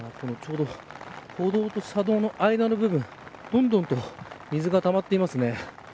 歩道と車道の間の部分どんどん水がたまっています。